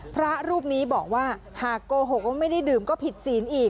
พระรูปนี้บอกว่าหากโกหกว่าไม่ได้ดื่มก็ผิดศีลอีก